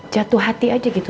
jatuh hati aja gitu